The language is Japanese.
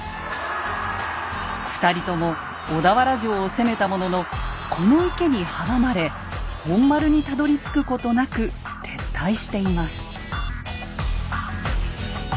２人とも小田原城を攻めたもののこの池に阻まれ本丸にたどりつくことなく撤退しています。